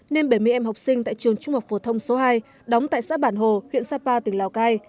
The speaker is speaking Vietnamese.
nên bảy mươi em học sinh tại trường trung học phổ thông số hai đóng tại xã bản hồ huyện sapa tỉnh lào cai